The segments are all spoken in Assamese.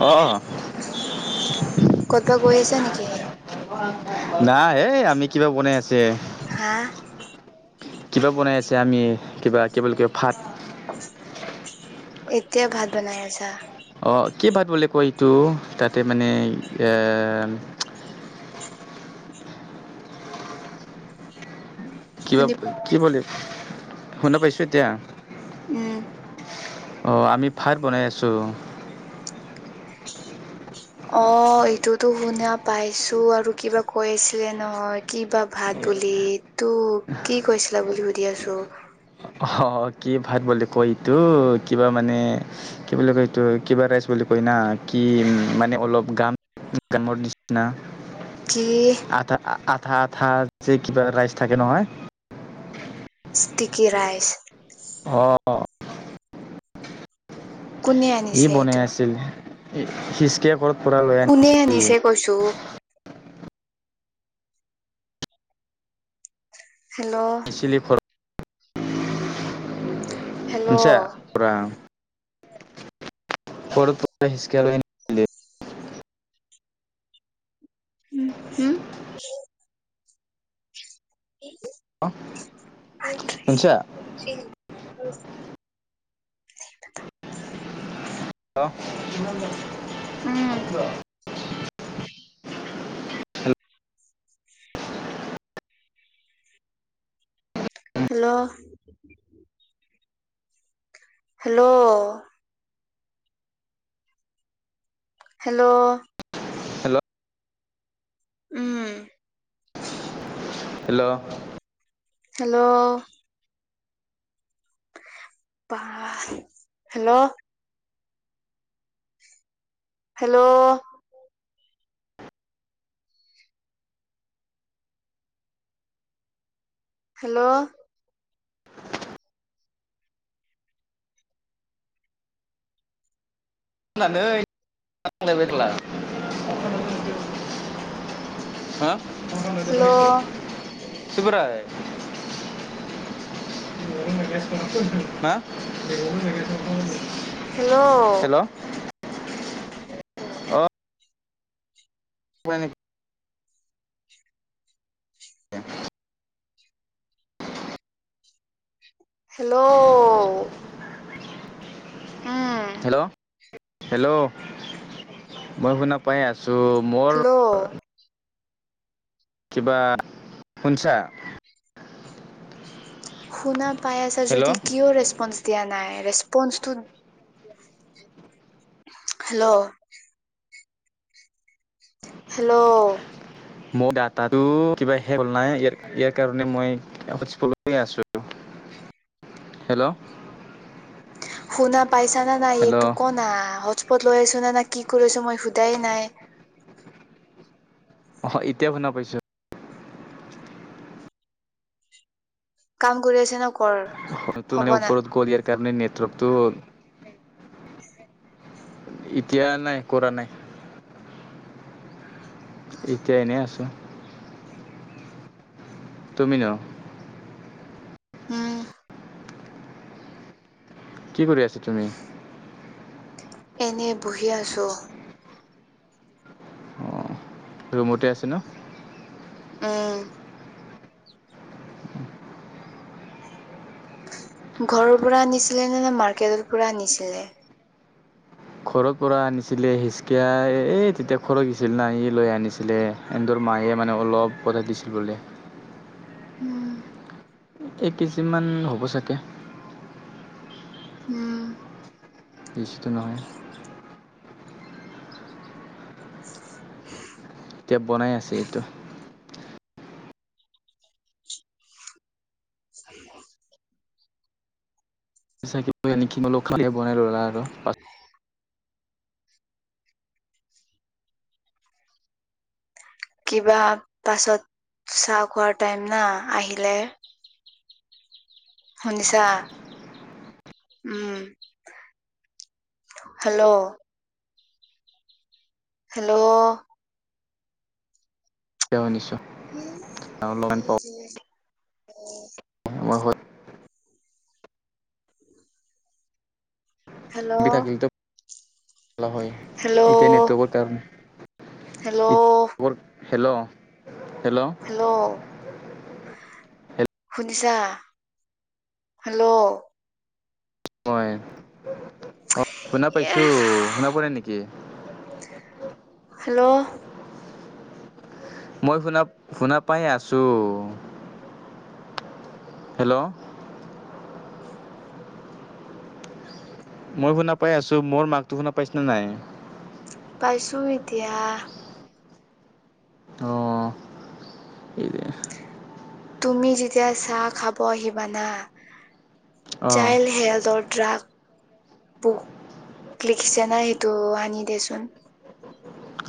অ' ক'তবা গৈ আছে নেকি? নাই এ আমি কিবা বনাই আছে। হা? কিবা বনাই আছে আমি কিবা কি বুলি কয় ভাত। এতিয়া ভাত বনাই আছা। অঁ' কি ভাত বুলি কয় এইটো তাতে মানে এ কিবা শুনি কি বুলি, শুনা পাইছোঁ এতিয়া। উমঁ'। অঁ' আমি ভাত বনাই আছোঁ। [unintelligible] অঁ' এইটোতো শুনা পাইছো আৰু কিবা কৈ আছিলে নহয় কিবা ভাত বুলি। তো, কি কৈছিলা বুলি সুধি আছোঁ। অঁ' কি ভাত বুলি কয় এইটো কিবা মানে কি বুলি কয় এইটো কিবা ৰাইচ বুলি কয় না কি মানে অলপ গাম [unintelligible] নিচিনা। কি? আঠা, আঠা আঠা যে কিবা ৰাইচ থাকে নহয়। Sticky rice. অঁহ' কোনে ই আনিছে বনাই এইটো আছিল। সিচকে ক'ত পৰা লৈ আ কোনে আনিছে কৈছোঁ? হেল্ল'। আনিছিলি ঘৰত হেল্ল' [unintelligible] উম, হম। অ' শুনছা [unintelligible] [inaudible] উম [unintelligible] hello hello. Hello. Hello. Hello উম। Hello. Hello. Hello. Hello. Hello. [unintelligible] [unintelligible] [inaudible] Hello. Hello অ'। [unintelligible] [unintelligible] হেল্ল'। উম। হেল্ল' হেল্ল', মই শুনা পাই আছোঁ, মোৰ কিবা, শুনছা? শুনা পাই আছা হেল্ল' যদি কিয় ৰেচপন্ঞ্চ দিয়া নাই, ৰেচপন্ঞ্চটো হেল্ল'। হেল্ল'। মোৰ দাটাটো কিবা শেষ হ'ল নাই ইয়াৰ, ইয়াৰ কাৰণে মই [unintelligible] আছো, হেল্ল'। শুনা পাইছা নে নাই এইটো হেল্ল' ক 'না, হটস্পট লৈ আছো নে নাই, কি কৰি আছ, মই সোধায় নাই। অ', এতিয়া শুনা পাইছো। কাম কৰি আছে ন কৰা হয়তো, মানে ওপৰত [unintelligible] দিয়াৰ কাৰণে নেটৱৰ্কতটো এতিয়া নাই, কৰা নাই। এতিয়া এনেই আছো। তুমি ন' উম কি কৰি আছা তুমি? এনেই বহি আছোঁ। অ ৰুমতে আছে ন? উম। ঘৰৰ পৰা আনিছিলে নে, নে মাৰ্কেটৰ পৰা আনিছিলে? ঘৰ পৰা আনিছিলে হিচকায়, এই তেতিয়া খৰছিল না এ লৈ আনিছিলে। সেহেন্তৰ মায়ে মানে অলপ [unintelligible] দিছিল বোলে উম। এক কেজিমান হ'ব চাগে। উম। [unintelligible] এতিয়া বনাই আছে এইটো। [unintelligible] আৰু। কিবা পাছত চাহ খোৱাৰ টাইম না, আহিলে শুনিছা? উম। হেল্ল'। হেল্ল'। [unintelligible] অলপমান [unintelligible] বহুত হেল্ল'। নহয়, এতিয়া হেল্ল' নেটৱৰ্কৰ কাৰণে। হেল্ল'। হেল্ল'। হেল্ল'। হেল্ল'। শুনিছা, হেল্ল'। মই, শুনা পাইছোঁ। এহ শুনা পোৱা নাই নেকি? হেল্ল'। মই শুনা-শুনা পাই আছোঁ। হেল্ল'। মই শুনা পাই আছো। মোৰ মাতটো শুনা পাইছনে নাই? পাইছোঁ এতিয়া। অহ, [unintelligible] তুমি যেতিয়া চাহ খাব আহিবা না অঁ চাইলড হেল্ডৰ ড্ৰাক বুক লিখিছে না এইটো আনিদে চোন।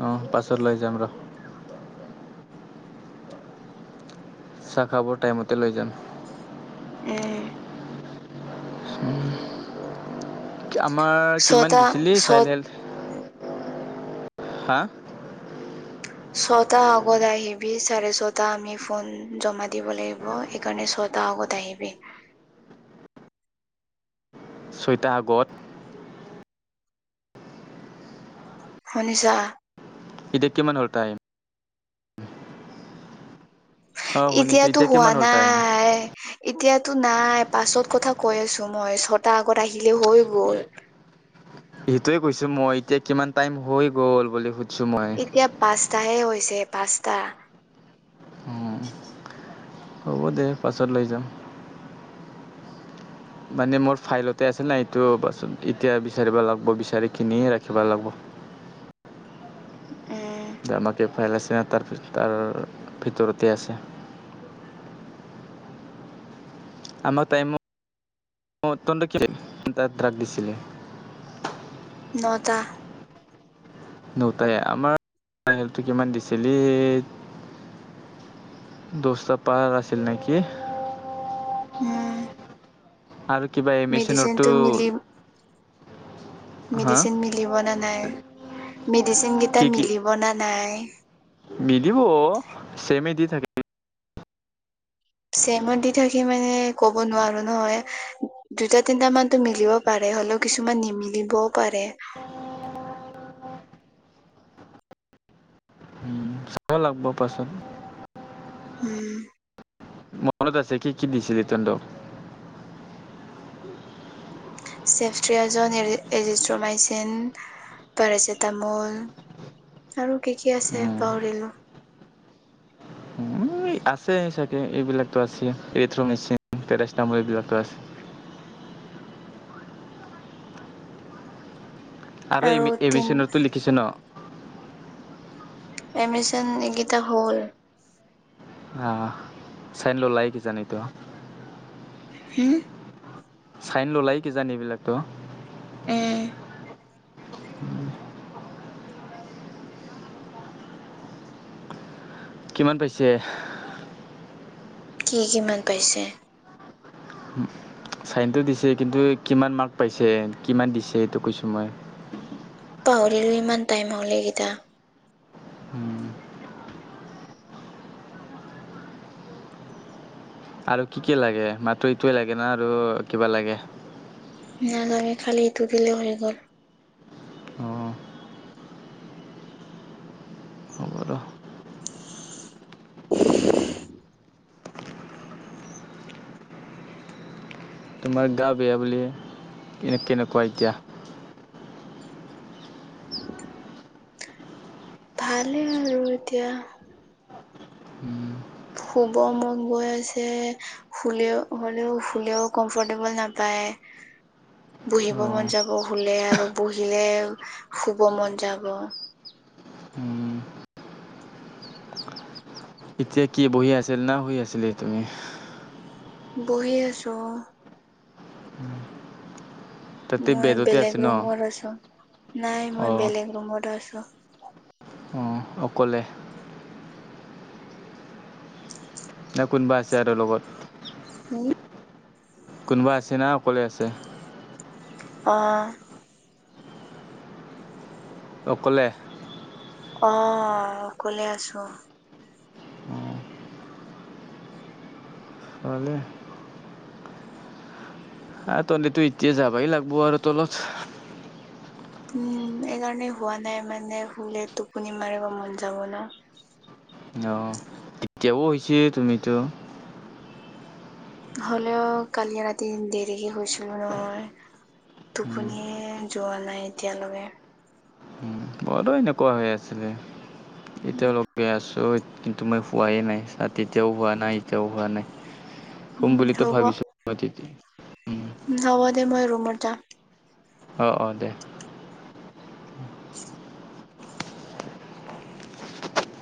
অহ, পাছত লৈ যাম ৰহ। চাহ খাবৰ টাইমতে লৈ যাম। উম। আমাৰ কিমান ছটা দিছিলি, ছ চাইনে [unintelligible] হা! ছয়টাৰ আগত আহিবি চাৰে ছয়টা আমি ফোন জমা দিব লাগিব, সেইকাৰণে ছয়টাৰ আগত আহিবি। ছয়টা আগত? শুনিছা? এতিয়া কিমান হ'ল টাইম? অঁ শুনিছোঁ এতিয়াতো এতিয়া হোৱা কিমান হ'ল টাইম নাই। এতিয়াতো নাই, পাছত কথা কৈ আছো মই। ছয়টাৰ আগত আহিলে হৈ গ'ল। সেইটোয়ে কৈছো মই, এতিয়া কিমান টাইম হৈ গ'ল বুলি সুধ এতিয়া পাঁচটাহে হৈছে, পাঁচটা। হ'ব দে পাছত লৈ যাম। মানে মোৰ ফাইলতে আছে না, এইটো পাছত, এতিয়া বিচাৰিব লাগিব বিচাৰিখিনিয়ে ৰাখিবা লাগিব। উম আমাকে ফাইল আছে এটাৰ ভিতৰ, ভিতৰতে আছে। [inaudible] নটা। নটাই আমাৰটো কিমান দিছিল এই দোস্ত পাৰাৰ আছিলছিল নেকি? ওম। আৰু কিবা এমিচনৰতো- মিলি মেডিচিন মিলিব নে নাই মেডিচিন কেইটা মিলিব না নাই। মিলিব চেমে দি থাকিব চেমো দি থাকি মানে ক'ব নোৱাৰো নহয়। দুটা তিনটা মানতো মিলিব পাৰে হ'লেও কিছুমান নিমিলিবও পাৰে। চাব লাগব পাচত। উম। মনত আছে কি কি দিছিলি তেহেঁতক? ছেফট্ৰিয়াজন এজিষ্ট্ৰমাইচিন পেৰাচিটামল আৰু কি কি আছে উম পাহৰিলো। উম আছে চাগে এইবিলাকতো আছে, এৰিথ্ৰ' মেচিন পেৰাচটামল এইবিলাকতো আছে। আৰু এমি এমিচনটো লিখিছে ন? এমিচন এইকেইটা হ'ল। অ চেণ্ড ওলাই কি জান এইটো হুম? চাইন ল'লাই কিজানি, এইবিলাকতো উম। কিমান পাইছে? সি কিমান পাইছে? ছাইনটো দিছেই, কিন্তু, কিমান মাৰ্ক পাইছে? কিমান দিছে? এইটো কৈছোঁ মই। পাহৰিলো ইমান টাইম হল এইকেইটা। [inaudible] আৰু কি কি লাগে মাট্ৰ এইটোৱে লাগে না আৰু কিবা লাগে? নালাগে খালী এইটো দিলে হৈ গ'ল। অঁ হ'ব ৰ তোমাৰ গা বেয়া বুলি হে, এনে কেনেকুৱা এতিয়া? ভালেই আৰু এতিয়া। [inaudible] শুব মন গৈ আছে, শুলেও হ'লেও, শুলেও কম্ফৰ্টেবল নাপায়। [inaudible] বহিব মন যাব শুলে, আৰু বহিলে শুব মন যাব। অঁ এতিয়া কি বহি আছিল না শুই আছিলি তুমি? বহি আছো। তাতে মই বেডতে আছে বেলেগ ন ৰুমত আছোঁ। নাই, মই অঁ বেলেগ ৰুমত আছোঁ। অঁ অকলে না কোনোবা আছে আৰু লগত? উম কোনোবা আছে না অকলে আছে? অ। অকলে। অ, অকলে আছো। ভালে। আহ তহতেটো এতিয়া যাবাই লাগব আৰু তলত। উম, এইকাৰণে হোৱা নাই মানে হুলে টোপনি মাৰিব মন যাব ন। অ', তেতিয়াও হৈছে, তুমিতো হ'লেও কালি ৰাতি দেৰিকে শুইছিলো নহয়। উম, টোপনিয়ে যোৱা নাই এতিয়ালৈকে। উম, মোৰো এনেকুৱা হৈ আছিলে এতিয়ালৈকে আছো। মই হোৱাই নাই তাত তেতিয়াও হোৱা নাই এতিয়াও হোৱা নাই শুম উম বুলিতো ভাবিছো। [unintelligible] উম হ'ব দে মই ৰুমত যাওঁ। অ' অ' দে।